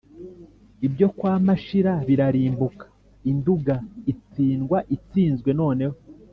ibyo kwa mashira birarimbuka, i nduga itsindwa itsinzwe noneho.